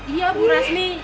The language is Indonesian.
iya bu rasmi